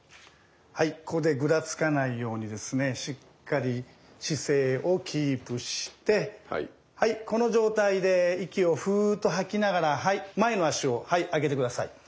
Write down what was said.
ここでぐらつかないようにしっかり姿勢をキープしてこの状態で息をフーッと吐きながら前の脚を上げて下さい。